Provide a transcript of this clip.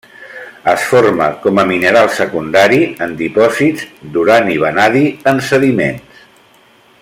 Es forma com a mineral secundari en dipòsits d'urani-vanadi en sediments.